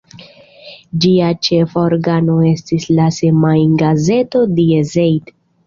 Ĝia ĉefa organo estis la semajngazeto "Die Zeit".